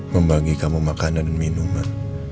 membagi kamu makanan dan minuman